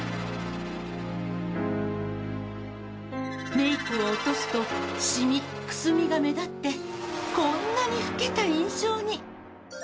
メイクを落とすとシミ・くすみが目立ってこんなに老けた印象に。